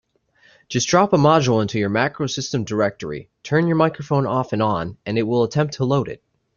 Just drop a module into your MacroSystem directory, turn your microphone off and on, and it will attempt to load it.